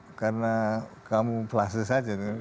dan karena kamu pelaseh saja